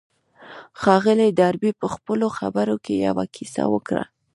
ښاغلي ډاربي په خپلو خبرو کې يوه کيسه وکړه.